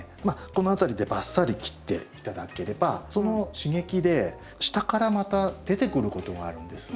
この辺りでバッサリ切って頂ければその刺激で下からまた出てくることがあるんです。